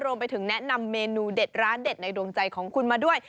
รวมไปถึงแนะนำเมนูเด็ดร้านเด็ดในดวงใจของคุณมาด้วย